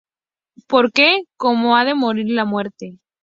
Porque, ¿cómo ha de morir la Muerte?